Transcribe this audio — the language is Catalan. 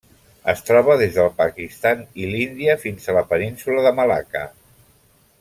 Es troba des del Pakistan i l'Índia fins a la Península de Malacca.